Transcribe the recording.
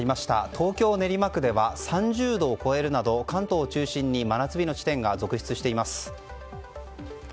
東京・練馬区では３０度を超えるなど関東を中心に真夏日の地点が続出しています。